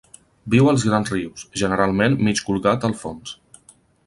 Viu als grans rius, generalment mig colgat al fons.